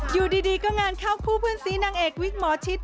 อยู่ดีก็งานเข้าคู่เพื่อนสีนางเอกวิกหมอชิด